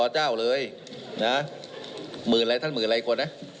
เจ้าเลยนะหมื่นอะไรท่านหมื่นอะไรคนนะ